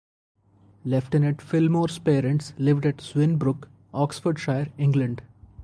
Lieutenant Phillimore's parents lived at Swinbrook, Oxfordshire, England.